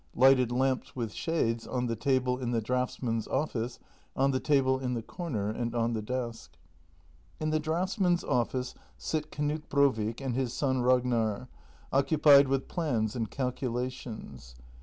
Lighted lamps, with shades, on the table in the draughtsmen's office, on the table in the corner, and on the desk. In the draughtsmen's office sit Kntjt Brovik and his son Ragnar, occupied with plans and calculations.